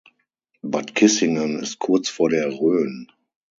Bad Kissingen ist kurz vor der Rhön.